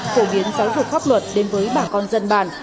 phổ biến giáo dục pháp luật đến với bà con dân bản